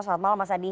selamat malam mas adi